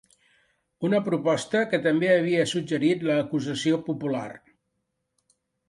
Una proposta que també havia suggerit l’acusació popular.